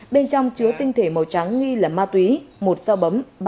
bên trong chứa tinh thể màu trắng nghi là ma túy một sao bấm